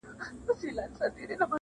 نه دي نوم وي د لیلا نه دي لیلا وي,